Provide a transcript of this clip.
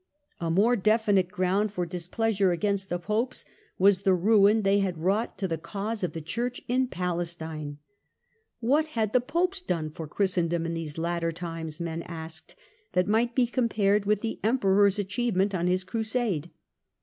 A more definite ground for displeasure against the Popes was the ruin they had wrought to the cause of the Church in Palestine. What had the Popes done for Christendom in these latter times, men asked, that might be compared with the Emperor's achievement on his Crusade